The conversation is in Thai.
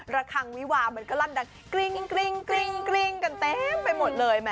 รัดคังวิว่ามันก็รันดังกำเต็มไปหมดเลย